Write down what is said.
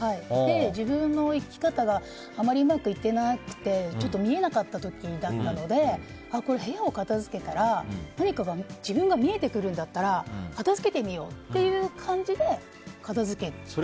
自分の生き方があまりうまくいってなくてちょっと見えなかった時だったので部屋を片付けたら自分が見えてくるんだったら片付けてみようっていう感じで片付けたんです。